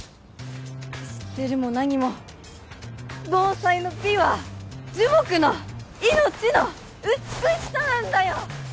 知ってるも何も盆栽の美は樹木の命の美しさなんだよ！